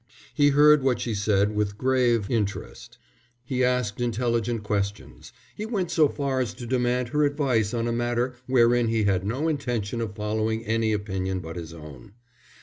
He heard what she said with grave interest. He asked intelligent questions. He went so far as to demand her advice on a matter wherein he had no intention of following any opinion but his own.